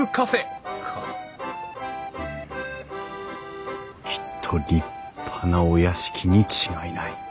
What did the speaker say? うんきっと立派なお屋敷に違いない。